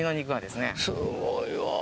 すごいわ。